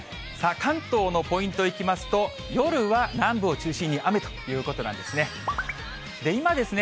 関東のポイントいきますと、夜は南部を中心に雨ということなんですね。